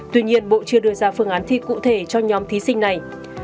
tuy nhiên bộ chưa đưa ra phương án thi cụ thể cho nhóm thí sinh này